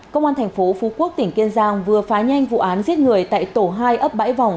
công an thành phố phú quốc tỉnh kiên giang vừa phá nhanh vụ án giết người tại tổ hai ấp bãi vòng